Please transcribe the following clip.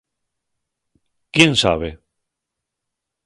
Quién sabe.